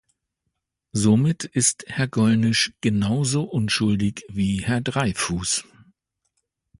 Somit ist Herr Gollnisch genauso unschuldig wie Herr Dreyfus.